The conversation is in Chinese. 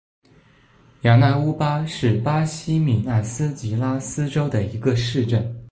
雅纳乌巴是巴西米纳斯吉拉斯州的一个市镇。